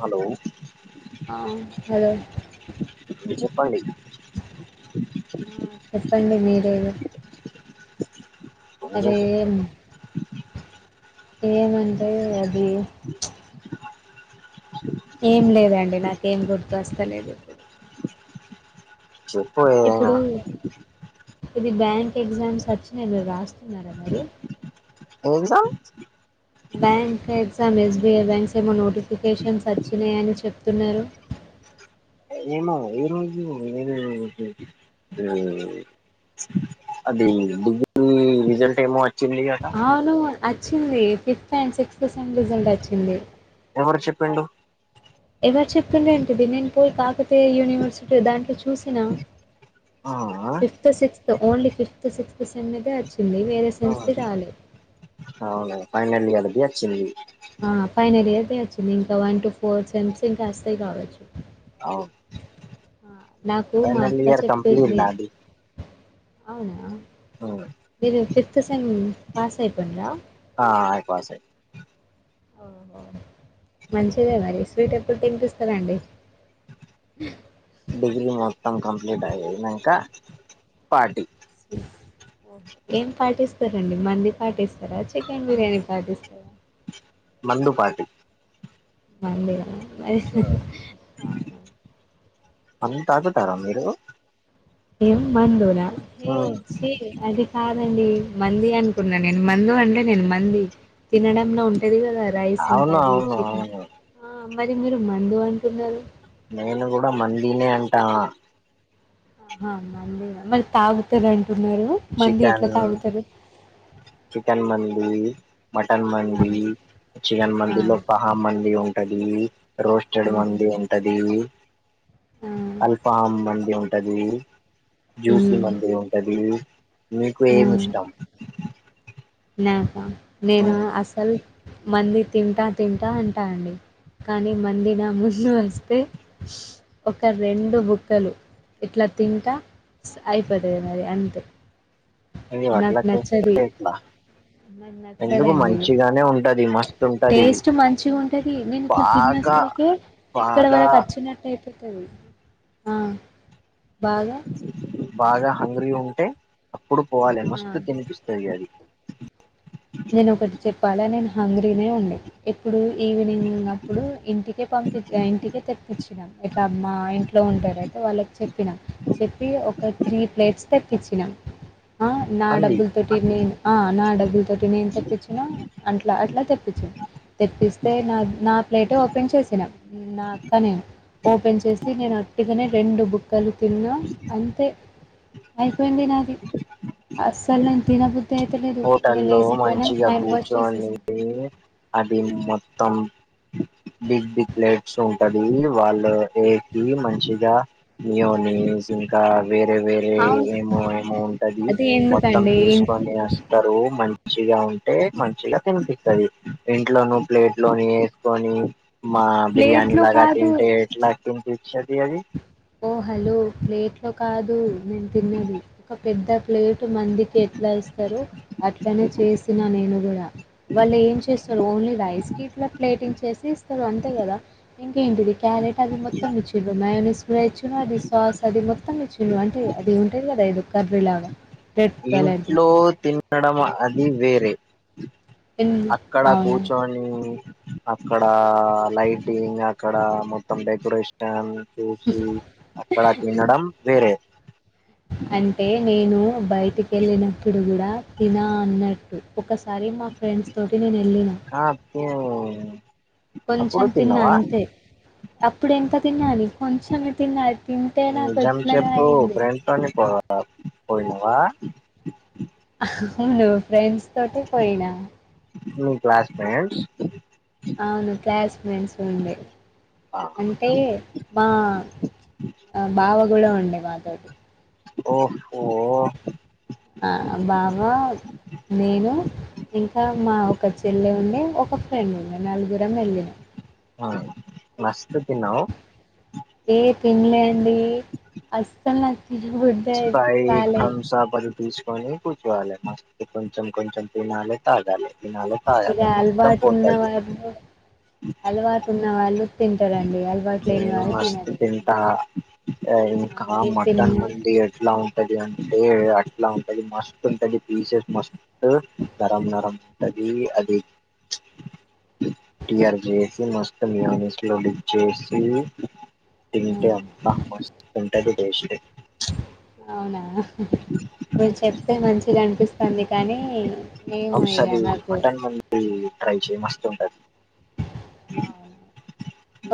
Hello ఆ hello వి చెయప్ప ఆ చెప్పండి మీరే రోజు ఏమంటే అది ఏం లేదండి నాకేం గుర్తు వస్తలేదు ఇప్పుడు చెప్పు ఏదైనా ఇప్పుడు ఇది బ్యాంక్ ఎగ్జామ్స్ వచ్చినయి మీరు రాస్తున్నారా మరి ఒందా బ్యాంక్ ఎ ఎక్సం ఎస్బీఐ బ్యాంక్స్ ఏమో నోటిఫికేషన్స్ వచ్చినాయని చెప్తున్నారు ఏమో ఈరోజు నేను అది డిగ్రీ రిజల్ట్ ఏమో వచ్చింది అట అవును వచ్చింది fifth and sixth sem result వచ్చింది ఎవరు చెప్పిండు ఎవరు చెప్పిండి ఏంటిది నేను పోయి కాకతీ యూనివర్సిటీ దాంట్లో చూసినా ఆ fifth sixth only fifth sixth సేమ్మే వ ఆ అవును ఫైనల్ ది కల్పి వచ్చింది ఆ ఫైనల్ ఏయితే వచ్చింది ఇంకా వన్ టు ఫోర్ సెమ్స్ ఇంకా వస్తాయి కావచ్చు అవును ఆ నాకు మా ఫైనల్ అక్క ఇయర్ కంప్లీట్ చెప్పింది నాది అవునా మీరు ఫిఫ్త్ సెమ్ పాస్ అయిపోందా పాసె ఓహో! మంచిదే మరి స్వీట్ ఎప్పుడు తినిపిస్తరా అండి డిగ్రీ మొత్తం కంప్లీట్ అయ్యినంక పార్టీ ఏం పార్టిస్తారండి మంది పాటిస్తారు చికెన్ బిర్యానీ పాటిస్తారా మందు పార్టీ మందిగావు మన్ తాగుతారా మీరు ఏం మందురా అది కాదండి మంది అనుకున్నా నేను మందు అంటే నేను మ మండి తినడంలో ఉంటది కదా రైస్ అవును అది అవును చికెన్ అవును మరి మీరు మందు అంటున్నారు నేను కూడా మందీనే అంటానా ఆహా మళీ మరి తాగుతను అంటున్నారు మంది ఎట్ల చికెన్ తాగుతారు చికెన్ మంది మటన్ ఆ! మంది చికెన్ ఆ! మందిలో పహా మంది ఉంటు ఉంటది రోస్టెడ్ ఆహా! మంది ఉంటది ఆ! అల్ఫహాం మంది ఉంటది జూసి హ్మ్. మంది ఉంటది మీకు ఆ! ఏమి ఇష్టం నాక నేను అస్సలు మంది తింటా తింటా అంటా అండి కానీ మంది నా ముళ్ళు వస్తే ఒక రెండు బుక్కలు ఇట్లా తింటా అయిపోతది మరి అంతే అది అట్ల చేస్తావ్ ఎట్ల మరి నచ్చదండి ఉంటది మస్తు ఉంటది టేస్ట్ మంచిగ ఉంటది నేను తిన్న బాగా సరికి ఇక్కడ బాగా మనకు వచ్చినట్టటుయితే మ్ ఆ బాగా బాగా హంగ్రీ ఉంటే అప్పుడు పోవాలే ఆ, మస్తు తినిపిస్తుంది అది నేను ఒకటి చెప్పాలా నేను హంగరీనే ఉండే ఇప్పుడు ఈవినింగ్ ఉన్నప్పుడు ఇంటికే పంపిచ ఇంటికే తెప్పించు ఇట్లా మా ఇంట్లో ఉంటారు అయితే వాళ్ళకి చెప్పున చెప్పి ఒక త్రీ ప్లేట్స్ తెప్పించి పెట్టిన ఆ నా మంది డబ్బుల్ తోటి నేన్ ఆ నా డబ్బుల్ అటి నేను తెప్పించిన అట్లా అట్లా తెప్పించా తెప్పిస్తే నా నా ప్లట్ ఓపెన్ చేసినాను నా అక్క నేను ఓపెన్ చేసి నేను ఓట్టుగానే రెండు బుక్కలు తిన్నా అంతే అయిపోయింది నాది అస్సలు నేను తినబద్దు తినబుద్ది అయితలేదు హోటల్లో గలీజ్ మంచిగా కూర్చోని తిని అది ఇది మొత్తం బిగ్ బిక్లెట్స్ ఉంటది వాళ్ళు ఏ మంచిగా నియోనీస్ ఇంకా వేరే వేరే అవును ఏమో ఏమో ఉంటది అది మొత్తం ఎందుకండి తీసుకొని మంచిగా ఉంటే మంచిగా తినిపిస్తుంది ఇంట్లోనుూ ప్లేట్ లోను వేసుకొని మా బిర్యాని ప్లేట్లో లాగా కాదు తింటే ఎట్లా అనిపించిదా అది ఓ హలో ప్లేట్ లో కాదు నేను తిన్నది ఒక పెద్ద ప్లేట్ మందికి ఎట్లా ఇస్తారు అట్లా ఇట్లానే చేసిన నేను కూడా వాళ్ళు ఏం చేస్తారు ఓన్లీ రైస్ కిట్ల ప్లేటింగ్ చేసి ఇస్తారు అంతే కదా ఇంకేంటిది క్యారెట్ అది మొత్తం ఇచ్చిరు మాయొనిస్ ఇచ్చిండు అది సాస్ అది మొత్తం ఇచ్చిండు అంటే అది ఉంటుంది కదా ఎదో కర్రీ లాగా రెడ్ కలర్ది ఇంట్లో తినడం అది వేరే ఎన్ అక్కడ అవునా కూర్చొని అక్కడ లైటింగ్ అక్కడ మొత్తం డెకరేషనల్ చూసి అక్కడ తినడం వేరే అంటే నేను బయటికెళ్ళినప్పుడు కూడా తిన అన్నట్టు ఒకసారి మా ఫ్రెండ్స్ తోటి నేను వెళ్ళిన ఆ తి అప్పుడు కొంచెం తిన్న తిన్నావా అంతే అప్పుడు ఎంత తిన్నాను కొంచమే తిన అది తింటే నాకు అట్లనో అయింది ఆ పోయినవా అవును ఫ్రెండ్స్ తోటే పోయినా మీ క్లాస్ ఫెంట్స్ అవును క్లాస్ మేట్స్ ఉండే అ ఆ మా బావ కూడా ఉండే వాళ్లతోటి ఓహఓ ఆ బావ నేను ఇంకా మా ఒక చెల్లె ఉండే ఒక ఫ్రెండ్ ఉండే నలుగురం వెళ్లినం అ మష్ట తన్నావు ఏ తినలే అండి అసలు నా స్ప్రైట్ థమ్స్ అప్ అవి తీస్ కొని కూర్చోవాలే ప్రిస్ట్ కొంచం కొంచం తినాలే తగలే తినాలే ఇక తాగాలే మొత్తం అలవాటు ఉన్న పోతది వాళ్ళు అలవాటు ఉన్న వాళ్ళు తింటారండి అలవాటు లేని నేను వాళ్ళు మస్ తినరు ఇక తింటా అంతే ఆ, ఇంకా మీరు మటన్ తిన్న మంది ఎట్లా ఉంటంది అంటే అంటే అట్లా ఉంటది మస్ట్ ఉంటది పీసెస్ మస్ట్ నరం నరం ఉంటది అది ఆర్ మ మ డిప్ చేసి ఆ, తింటే అబ్బ మస్త్ ఉంటది టేస్ట్ అవునా మీరు చెప్తే మంచిగ అనిపిస్తుంది కానీ ఏమో ఇక ఔషధి నాకు మటన్ మంజూరి ట్రై చే మస్త ఉంటది అవును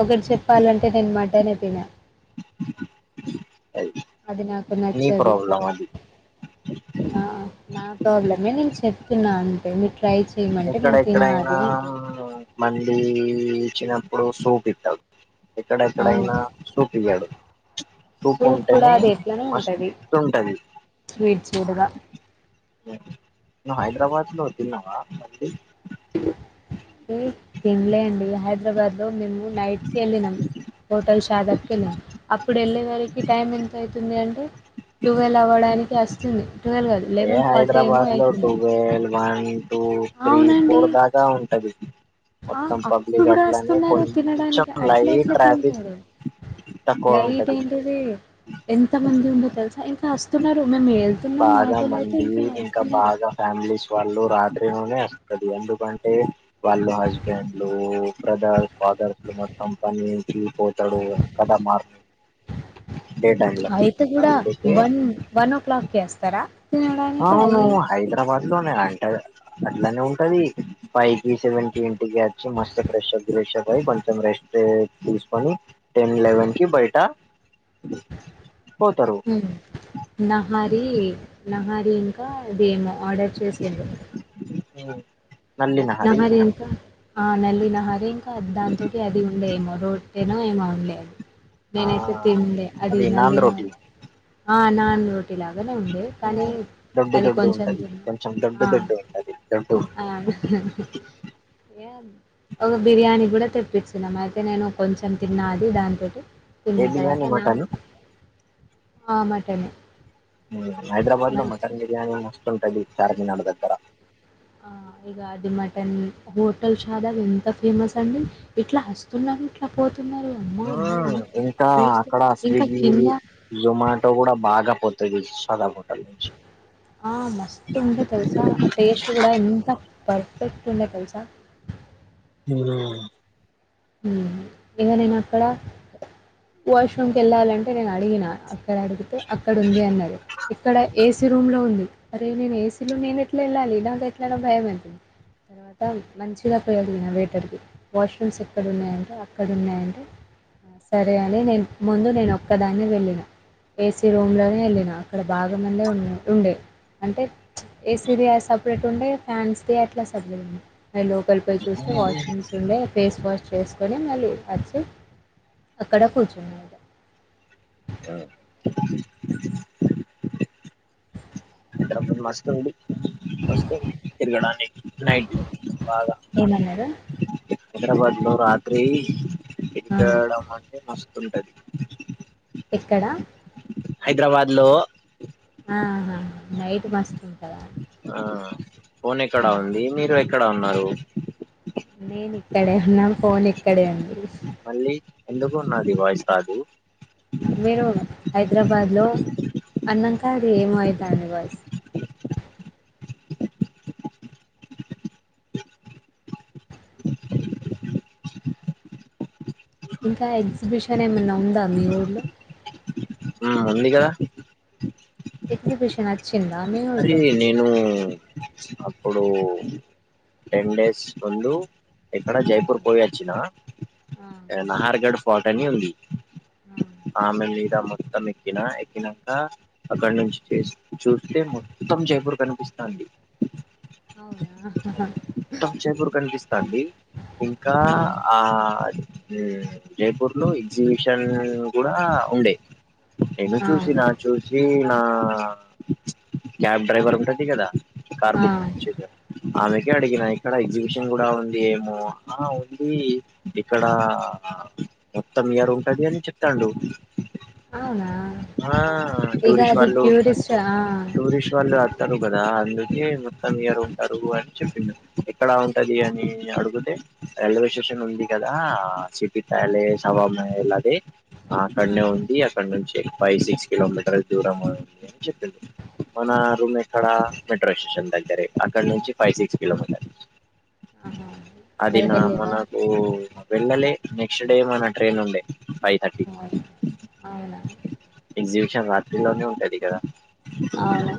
ఒకటి చెప్పాలంటే నేను మటనే తిన అది నాకు నీ నచ్చది ప్రాబ్లం అది ఆ నా ప్రాబ్లమే నేను చెప్తున్నా అంటే ఎక్కడ ఎక్కడైనా మళ్ళీ వచ్చినప్పుడు సూప్ ఇట్టాడు అవును ఎక్కడెక్కడైనా సూప్ ఇగాడు తూపు సూప్ కూడా ఉంటేనే అది ఎట్లనో ఉంటది మస్తు ఉంటది స్వీట్ స్వీట్గా ను హైదరాబాద్ లో వత్తున్నావా అ తింలే అండి హైదరాబాద్ లో మేము నైట్ కే వెళ్ళినాం హోటల్ షాదాబ్ కి వెల్లినం అప్పుడు వెళ్ళేవరి టైం ఎంతయితుంది ట టువెల్వ్ అవ్వడానికి వస్తుంది ట్వెల్వ్ కాదు ఏ లెవెన్ ఫార్టీ ఏమో హైదరాబాద్ లో అయితుంది twelve one two three four దాకా ఉంటది ఆ మొత్తం అప్పుడు పబ్లిక్ కూడా అట్లనే వస్తున్నారు కొంచెం తినడానికి అట్ల లైట్ ఎట్లా ట్రాఫిక్ తింటారు తక్కువ లైట్ ఉంటది ఏంటది ఎంత మంది ఉండే తెలుసా ఇంకా వస్తున్నారు మేము వెళ్తున్నాం బాగా మాటోలు అయితే మంది ఇంక ఇంకా వస్తున్నారు బాగా ఫ్యామిలీస్ వాళ్ళు రాత్రిలోనే వస్తది ఎందుకంటే వాళ్ళు హస్బెండ్లు బ్రదర్స్ ఫాదర్స్లు మొత్తం పనికిపో తడు కద మార్ డే టైంల అంత కూడా వన్ వన్ ఓ క్లాక్కి ఏస్తారా తినడానికి అయి వన్లోనే అంటది అట్లనే ఉంటది ఫైకి సెవెన్కి ఇంటికి వచ్చి మస్తు ఫ్రెష్ అవు ష కొంచెం రెస్ట్ తీసుకొని టెన్ లెవెన్కి బయట అ ఉ నహరి నహరి ఇంకాదేమో ఆర్డర్ చేసిండు అవు నహరి ఇంకా ఆ నల్లు నహరి ఇంకా దాంతోటి అది ఉండేమో రో అంటేనో ఏమో వుండే అది ఆ నేనైతే తిన్లే అది నాన్ నల్లినో రోటీ వాళ ఆ నాన్ రోటీ లాగానే ఉండే కానీ దొడ్డు అది కొంచెం తిన్నా ఆ ఎంట ఏ ఒక బిర్యానీ కూడా తెప్పించినం అయితే నేను కొంచెం తిన్నా అది దానితోటి ఏ తిన్న తర్వాత బిర్యానీ నా మటన్ ఆ మటను హైదరాబాద్ లో మటన్ బిర్యానీ మస్తు ఉంటది చార్మినార్ దగ్గర ఆ ఇగ అది మటన్ హోటల్ షాదా ఎంత ఫేమస్ అండి ఇట్ల వస్తున్నా ఎట్లపో ఆ ఇంకా అక్కడ ఇంకా స్విగీ కింద జొమాటో కూడా బాగా పోత్ సదా మోట్టంచి ఆ మస్తు ఉండే తెలుసా ఆ టేస్ట్ కూడా ఎంత పర్ఫెక్ట్ ఉండే తెలుసా ఉ ఇంగ నేను అక్కడ వాష్ రూమ్ కి వెళ్ళాలంటే నేను అడిగినా ఇక్కడ అడిగితే అక్కడ ఉంది అన్నారు ఇక్కడ ఏ ఏస రూమ్ లో ఉంది అరే నేను ఏసీ లో నేను ఎట్లా వెళ్ళాలి నాకు ఎట్లానాో భయం అంటతుంది తర్వాత మంచిగా పోయాలి నా వేటర్కి వాష్రూమ్స్ అక్కడున్నాయండి అక్కడు ఉన్నాయండి సరే అండి నేను ముందు నేను ఒక్కదాన్ని వెళ్ళిన ఏసీ రూమ్ లోనే వెళ్ళిన అక్కడ బాగ అనే ఉన్నా ఉండే అంటే ఏసీది సపరేట్ ఉండే ఫ్యాన్స్ది అట్లా సపరేట్ ఉండే అడ్ లోకల్ ప చూస్తే వాష్రూమ్స్ ఉండే్ ఫేస్ వాష్ చేసుకొని మళ్ళీ వచ్చి అక్కడ కూర్చున్నా ఆ అ మస్తు ఉడి వ తిరగడానికి నైట్ బాగా ఏమన్నారు హైదరాబాద్ లో రాత్రి ఆ ఎయడం అంటే మస్తుంటది ఎక్కడ హైదరాబాద్ లో ఆ నైట్ మస్తు ఉంటుందా ఆ ఫోన్ ఎక్కడా ఉంది మీరు ఎక్కడ ఉన్నారు నేను ఇక్కడే ఉన్నాను ఫోన్ ఇక్కడే ఉంది మళ్ళీ ఎందుకు ఉన్నది వాయిస్ కాదు మీరు హైదరాబాద్ లో అన్నంక ఏమయితను బస్ ఇంకా ఎగ్జిబిషన్ ఏమైన్నా ఉందా మీ ఊళ్లో ఉంది కదా ఎగ్జిబిషన్ వచ్చిందా మీ అరే ఊర్లో నేను అప్పుడు టెన్ డేస్ ముందు ఇక్కడ ఆ, జైపూర్ పోయి వచ్చిన ఆ, నహార్గఢ ఫర్ట్ అని ఉంది ఆ, ఆమెలి మొత్తం ఎక్కినా ఎక్కినాక అక్కడ నుంచి చూ అదే మొత్తం జైపూర్ కనిపిస్తుా అండి అవునా చైపూర్ కనిపిస్తాండి ఇంకా ఆ జయపూర్ లో ఎగజిబిషన్ కూడా ఉండే నేను ఆ, చూసి అవునా నా చూసి నా క్యాబ్ డ్రైవర్ంటా కదా కార్ ఆ, బుక్ ఆమెకి అడికినా ఇక్కడ ఇ విష కూడా ఉంది ఏమో ఉంది ఇక్కడ మొత్తం ఇయర్ ఉంట అదిం చెప్తాండ అవునా ఇక టూరిస్ట్ అది వాళ్ళు టూరిస్ట్ ఆ, టూరిస్ట్ వాళ్ళు ంటారు కదా అందుకే మొత్తం ఇయరు ఉంటారు అని చెప్పింది ఎక్కడ ఉంటది అని అడిగుతే రైల్వే స్టేషన్ ఉంది కదా సిపి తాయలే సబమ ఎలాది ఆ, అక్కడనే ఉంది అక్కడ నుంచి ఫైవ్ సిక్స్ కిలోమీటర్ల దూరంంది అని చెప్పి మన రూమ్ ఎక్కడ మెట్రో స్టేషన్ దగ్గరే అక్కడ నుంచి ఫైవ్ సిక్స్ కిలోమీటర్ ఆహా. అది మరి నా వెళ్ళేదా మనకు వెళ్ళలే నెక్స్ట్ డే మన ట్రైన్ ఉండే ఫైవ్ థర్టీకి అవును అవునా ఎగ్జిబిషన్ రాత్రిలోనే ఉంటది కదా అవును